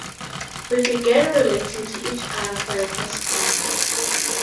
We began relating to each other for the first time.